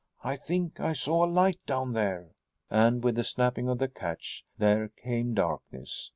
I think I saw a light down there." And, with the snapping of the catch, there came darkness.